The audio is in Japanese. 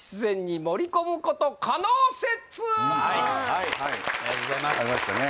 はいはいありましたね